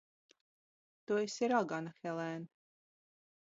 Tu esi ragana, Helēn!